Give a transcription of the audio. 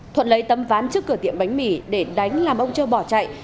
thuận lấy tâm ván trước cửa tiệm bánh mì để đánh làm ông châu bỏ chạy